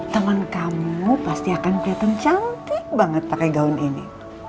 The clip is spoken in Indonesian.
temen kamu pasti akan keliatan cantik banget pake gaun ini